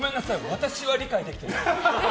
私は理解できてない。